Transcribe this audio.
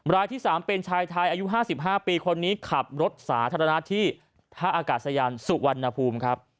รายที่๓เป็นชายไทยอายุ๕๕ปีคนนี้ขับรถสาธารณะที่ท่าอากาศยานสุวรรณภูมิครับ